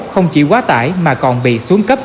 không chỉ quá tải mà còn bị xuống cấp